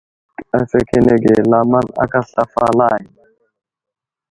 Zik afəkenege lamaŋd aka asla falay.